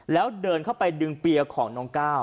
แล้วเดินเข้าไปดึงเปียของน้องก้าว